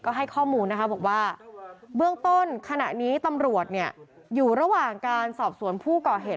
ก็ให้ข้อมูลนะคะบอกว่าเบื้องต้นขณะนี้ตำรวจอยู่ระหว่างการสอบสวนผู้ก่อเหตุ